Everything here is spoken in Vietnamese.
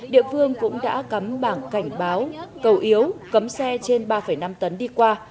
địa phương cũng đã cấm bảng cảnh báo cầu yếu cấm xe trên ba năm tấn đi qua